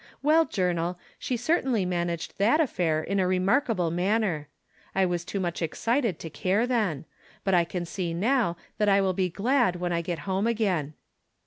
Well, Journal, she certaioly managed that affair in a remarkable manner. I was too much excited to care then ; but I can see now that I will be glad when I get home again.